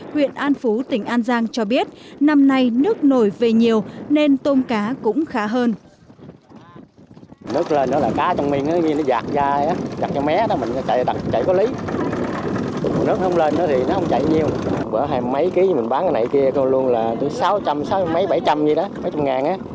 huyện an phú tỉnh an giang cho biết năm nay nước nổi về nhiều nên tôm cá cũng khá hơn